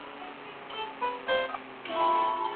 تاسو به د خپلي خاوري خدمت کوئ.